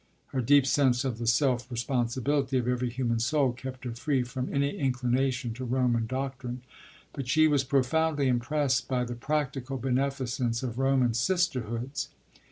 Her deep sense of the self responsibility of every human soul kept her free from any inclination to Roman doctrine; but she was profoundly impressed by the practical beneficence of Roman sisterhoods.